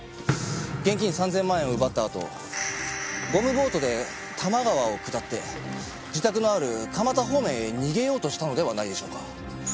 現金３０００万円を奪ったあとゴムボートで多摩川を下って自宅のある蒲田方面へ逃げようとしたのではないでしょうか。